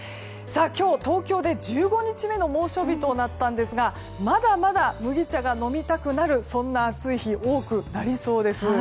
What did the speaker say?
今日、東京で１５日目の猛暑日となったんですがまだまだ麦茶が飲みたくなるそんな暑い日多くなりそうです。